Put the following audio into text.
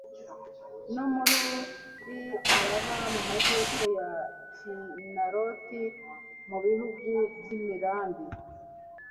no muri araba mu majyepfo ya kinaroti, mu bihugu by'imirambi